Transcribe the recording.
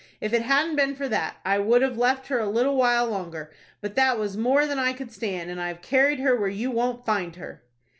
If it hadn't been for that, I would have left her a little while longer. But that was more than I could stand, and I've carried her where you won't find her."